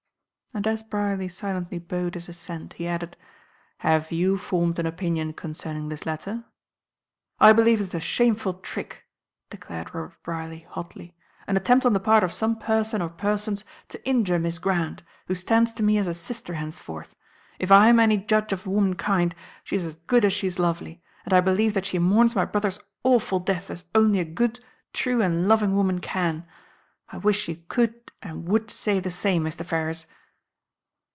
And as Brierly silently bowed his assent, he added: "Have you formed an opinion concerning this letter?" "I believe it is a shameful trick," declared Robert Brierly, hotly. "An attempt on the part of some person or persons to injure Miss Grant, who stands to me as a sister henceforth. If I am any judge of womankind, she is as good as she is lovely, and I believe that she mourns my brother's awful death as only a good, true and loving woman can. I wish you could and would say the same, Mr. Ferrars."